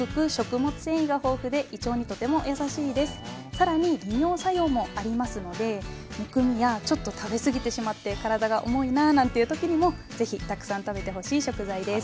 更に利尿作用もありますのでむくみやちょっと食べ過ぎてしまって体が重いななんていう時にも是非たくさん食べてほしい食材です。